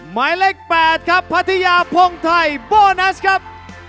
หมายเลข๘ครับพัทยาพงไทยโบนัสครับ